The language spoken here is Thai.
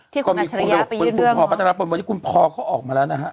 ที่คุณตัชรยาไปยืนเรื่องหรอวันนี้คุณพอเขาออกมาแล้วนะฮะ